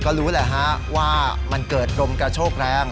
ก็รู้แหละฮะว่ามันเกิดลมกระโชกแรง